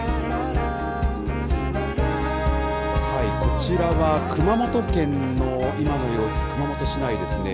こちらは熊本県の今の様子、熊本市内ですね。